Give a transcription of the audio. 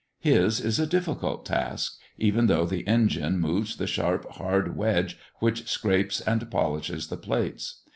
His is a difficult task, even though the engine moves the sharp hard wedge which scrapes and polishes the plates.